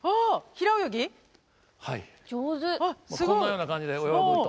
こんなような感じで泳いでると。